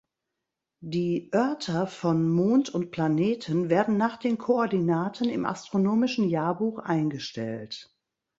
Die Örter von Mond und Planeten werden nach den Koordinaten im Astronomischen Jahrbuch eingestellt.